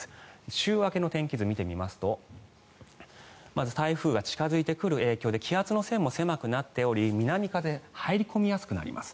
週明けの天気図見てみますとまず、台風が近付いてくる影響で気圧の線も狭くなっており南風が入り込みやすくなります。